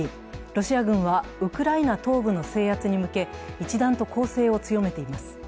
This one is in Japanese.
ロシア軍はウクライナ東部の制圧に向け一段と攻勢を強めています。